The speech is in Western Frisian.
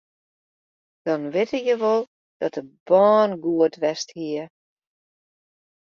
Dan witte je wol dat de bân goed west hie.